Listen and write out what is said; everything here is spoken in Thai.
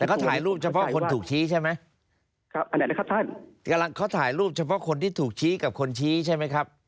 แต่เขาถ่ายรูปเฉพาะคนถูกชี้ใช่ไหมครับอันไหนนะครับท่านกำลังเขาถ่ายรูปเฉพาะคนที่ถูกชี้กับคนชี้ใช่ไหมครับ